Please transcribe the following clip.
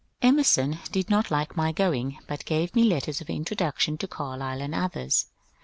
Emerson did not like my going, but gave me letters of introduction to Carlyle and others.